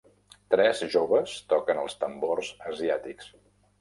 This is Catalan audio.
Tres joves toquen els tambors asiàtics